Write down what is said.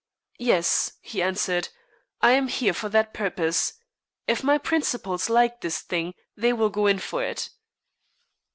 "Yes," he answered, "I am here for that purpose. If my principals like this thing they will go in for it."